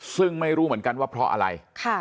ซึ่งไม่รู้เหมือนกันว่าเพราะอะไร